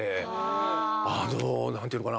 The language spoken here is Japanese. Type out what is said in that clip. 何ていうのかな？